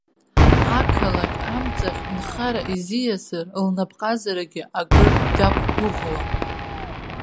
Ақалақь амҵахь нхара изиасыр, лнапҟазарагьы акыр дақәгәыӷуан.